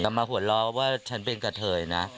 แต่มาหัวเราะว่าฉันเป็นกะเทยนะ